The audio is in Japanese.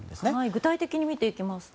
具体的に見ていきます。